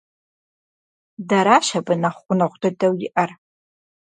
Дэращ абы нэхъ гъунэгъу дыдэу иӀэр.